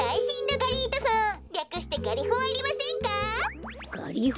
ガリホ？